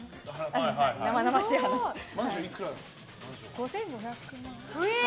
５５００万。